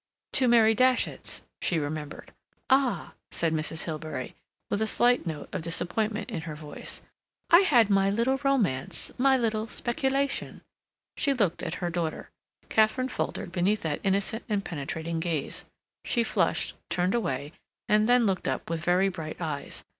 "To Mary Datchet's," she remembered. "Ah!" said Mrs. Hilbery, with a slight note of disappointment in her voice. "I had my little romance—my little speculation." She looked at her daughter. Katharine faltered beneath that innocent and penetrating gaze; she flushed, turned away, and then looked up with very bright eyes.